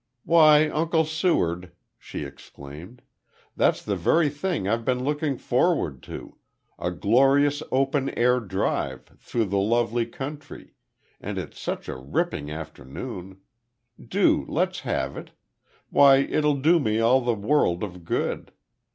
"Why, Uncle Seward," she exclaimed, "that's the very thing I've been looking forward to a glorious open air drive through the lovely country, and it's such a ripping afternoon. Do let's have it. Why, it'll do me all the world of good.